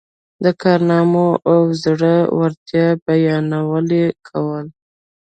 د کارنامو او زړه ورتیا بیانونه یې کول.